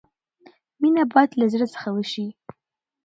مینه باید لۀ زړۀ څخه وشي.